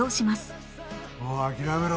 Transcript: もう諦めろ！